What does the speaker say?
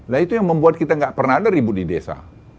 nah itu yang membuat kita gak pernah ada ribut di desa